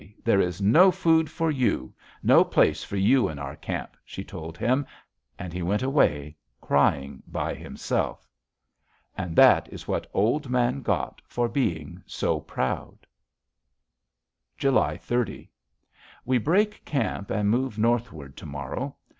There is no food for you, no place for you in our camp,' she told him; and he went away, crying, by himself. "And that is what Old Man got for being so proud." July 30. We break camp and move northward to morrow.